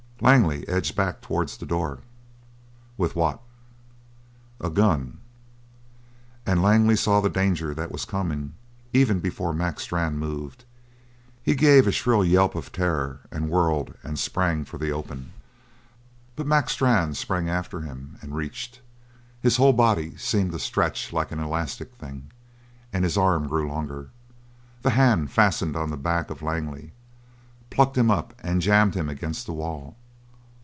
Langley edged back towards the door. "What with?" "A gun." And Langley saw the danger that was coming even before Mac Strann moved. He gave a shrill yelp of terror and whirled and sprang for the open. But Mac Strann sprang after him and reached. His whole body seemed to stretch like an elastic thing, and his arm grew longer. The hand fastened on the back of Langley, plucked him up, and jammed him against the wall.